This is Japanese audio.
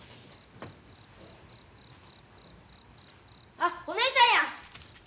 あっお姉ちゃんや！